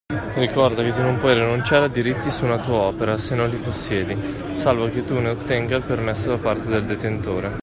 Ricorda che tu non puoi rinunciare a diritti su una tua opera se non li possiedi, salvo che tu ne ottenga il permesso da parte del detentore.